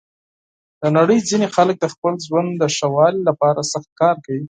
د نړۍ ځینې خلک د خپل ژوند د ښه والي لپاره سخت کار کوي.